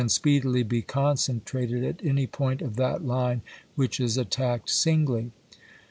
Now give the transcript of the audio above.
^'^' speedily be concentrated at any point of that line pp. 530, siil. which is attacked singly."